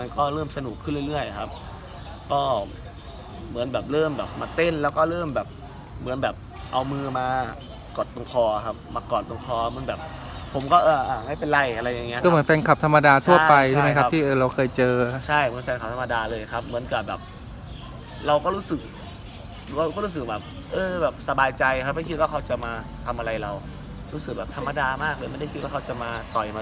ครับก็เหมือนแบบเริ่มแบบมาเต้นแล้วก็เริ่มแบบเหมือนแบบเอามือมากอดตรงคอครับมากอดตรงคอเหมือนแบบผมก็อ่าไม่เป็นไรอะไรอย่างเงี้ยครับก็เหมือนแฟนคลับธรรมดาทั่วไปใช่ไหมครับที่เราเคยเจอใช่เหมือนแฟนคลับธรรมดาเลยครับเหมือนกับแบบเราก็รู้สึกเราก็รู้สึกแบบเออแบบสบายใจครับไม่ได้คิดว่าเขาจะมาทํ